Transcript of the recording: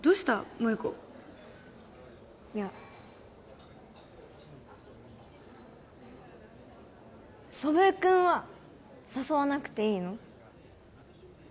萌子いや祖父江君は誘わなくていいの？